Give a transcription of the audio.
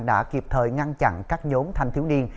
đã kịp thời ngăn chặn các nhóm thanh thiếu niên